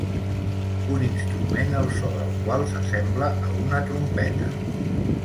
Un instrument el só del qual s'assembla a una trompeta